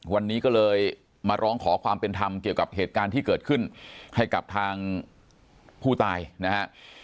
วันนี้ก็เลยมาร้องขอความเป็นธรรมเกี่ยวกับเหตุการณ์ที่เกิดขึ้นให้กับทางผู้ตายนะฮะ